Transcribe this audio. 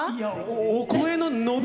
お声の伸び